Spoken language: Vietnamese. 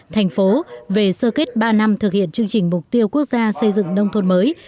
thành phố về sơ kết ba năm thực hiện chương trình mục tiêu quốc gia xây dựng nông thôn mới